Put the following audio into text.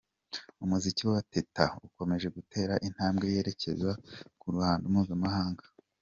Umuziki wa Teta ukomeje gutera intambwe yerekeza ku ruhando mpuzamahanga.